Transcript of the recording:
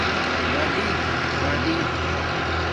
رادی رادی